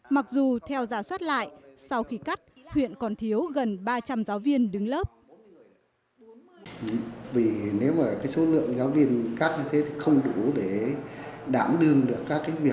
mặc dù theo giả soát lại sau khi cắt huyện còn thiếu gần ba trăm linh giáo viên đứng lớp